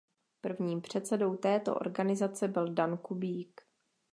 Prvním předsedou této organizace byl Dan Kubík.